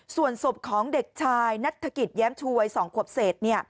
ส่วนศพของเด็กชายนัฐกิจแย้มชวย๒ขวบเศษ